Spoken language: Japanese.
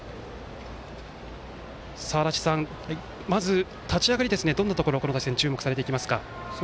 足達さん、まず立ち上がりどんなところこの対戦注目されていきますか？